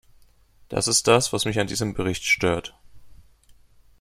Das ist das, was mich an diesem Bericht stört.